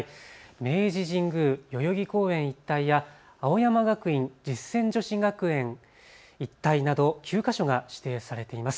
明治神宮・代々木公園一帯や青山学院・実践女子学園一帯など９か所が指定されています。